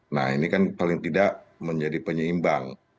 nah ini kan paling tidak menjadi penyeimbang